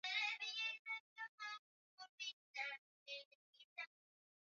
Sehemu ya chini ya Mashavu au Taya kuvimba